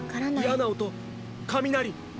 嫌な音雷！